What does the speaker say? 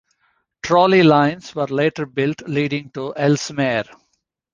Trolley lines were later built leading to Elsmere.